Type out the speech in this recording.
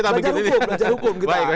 belajar hukum kita